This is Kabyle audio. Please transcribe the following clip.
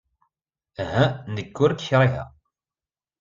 Aha, nekk ur k-kṛiheɣ.